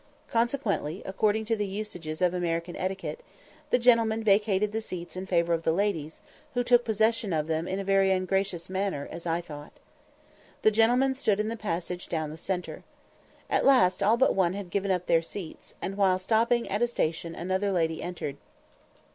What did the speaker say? Consequently, according to the usages of American etiquette, the gentlemen vacated the seats in favour of the ladies, who took possession of them in a very ungracious manner as I thought. The gentlemen stood in the passage down the centre. At last all but one had given up their seats, and while stopping at a station another lady entered.